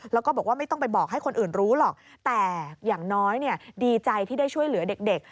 แล้วก็บอกว่าไม่ต้องไปบอกให้คนอื่นรู้หรอกแต่อย่างน้อยดีใจที่ได้ช่วยเหลือเด็ก